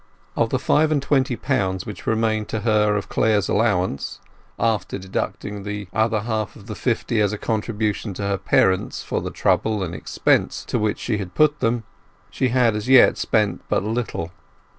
Of the five and twenty pounds which had remained to her of Clare's allowance, after deducting the other half of the fifty as a contribution to her parents for the trouble and expense to which she had put them, she had as yet spent but little.